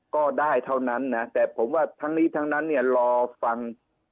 ก็ได้เท่านั้นนะแต่ผมว่าทั้งนี้นี่รัวฟัง